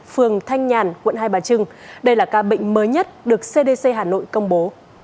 phường thanh nhàn quận hai bà trưng đây là ca bệnh mới nhất được cdc hà nội công bố